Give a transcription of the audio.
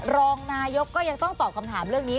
รองนายกก็ยังต้องตอบคำถามเรื่องนี้